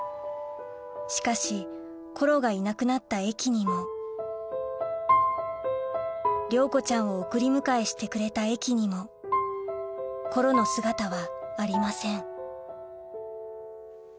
しかしコロがいなくなった駅にも亮子ちゃんを送り迎えしてくれた駅にもコロの姿はありません